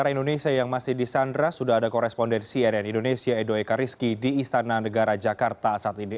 di indonesia yang masih di sandra sudah ada korespondensi nn indonesia edo ekariski di istana negara jakarta saat ini